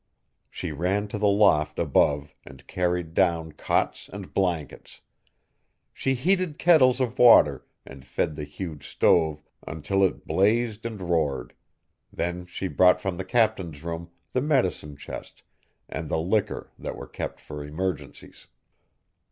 She ran to the loft above and carried down cots and blankets. She heated kettles of water and fed the huge stove until it blazed and roared; then she brought from the Captain's room the medicine chest and the liquor that were kept for emergencies.